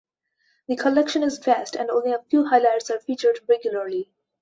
The collection is vast and only a few highlights are featured regularly.